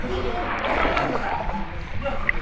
お座りになってください。